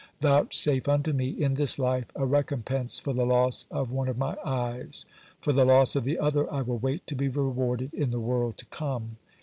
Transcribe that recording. Vouchsafe unto me in this life a recompense for the loss of one of my eyes. For the loss of the other I will wait to be rewarded in the world to come."